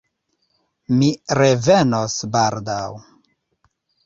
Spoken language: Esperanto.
Mi revenos baldaŭ.